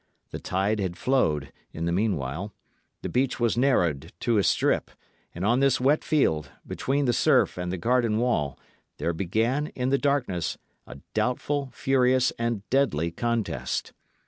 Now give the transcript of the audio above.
The tide had flowed, in the meanwhile; the beach was narrowed to a strip; and on this wet field, between the surf and the garden wall, there began, in the darkness, a doubtful, furious, and deadly contest.